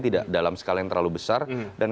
tidak dalam skala yang terlalu besar dan